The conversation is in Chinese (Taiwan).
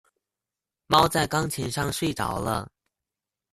貓在鋼琴上睡著了